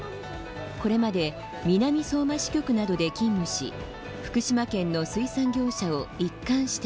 これまで南相馬支局などで勤務し福島県の水産業者を一貫して取材。